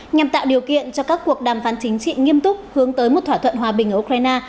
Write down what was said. nhằm tạo điều kiện cho các cuộc đàm phán chính trị nghiêm túc hướng tới một thỏa thuận hòa bình ở ukraine